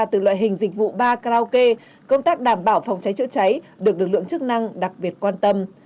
từ loại hình dịch vụ ba karaoke công tác đảm bảo phòng cháy chữa cháy được lực lượng chức năng đặc biệt quan tâm